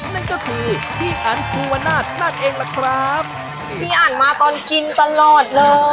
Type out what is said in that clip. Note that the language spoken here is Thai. นั่นก็คืออันธุวรรณาดนั่นเองแหละครับพี่อันมาตอนกินตลอดเลย